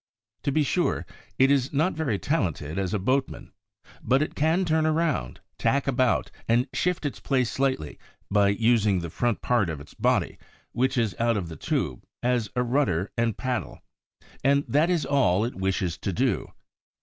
To be sure, it is not very talented as a boatman. But it can turn round, tack about and shift its place slightly by using the front part of its body, which is out of the tube, as a rudder and paddle; and that is all it wishes to do.